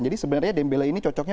jadi sebenarnya dembele ini cocoknya